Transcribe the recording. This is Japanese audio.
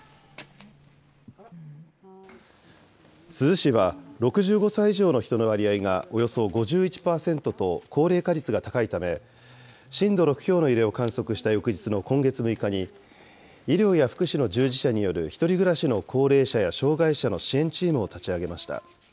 珠洲市は、６５歳以上の人の割合がおよそ５１％と高齢化率が高いため、震度６強の揺れを観測した翌日の今月６日に、医療や福祉の従事者による１人暮らしの高齢者や障害者の支援チームを立ち上げました。